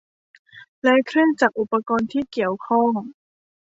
และเครื่องจักรอุปกรณ์ที่เกี่ยวข้อง